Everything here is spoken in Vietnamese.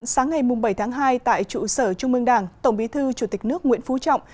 sáng ngày bảy tháng hai tại trụ sở trung mương đảng tổng bí thư chủ tịch nước nguyễn phú trọng